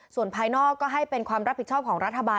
ส่วนภายนอกก็ให้เป็นความรับผิดชอบของรัฐบาล